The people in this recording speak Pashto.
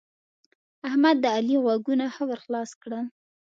احمد؛ د علي غوږونه ښه ور خلاص کړل.